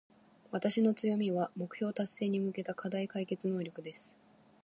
私の強みは、目標達成に向けた課題解決能力です。